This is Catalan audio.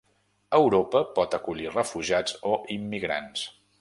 Europa pot acollir refugiats o immigrants